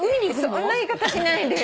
そんな言い方しないでよ。